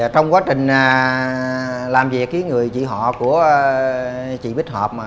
trong quá trình làm việc với người chị họ của chị bích hợp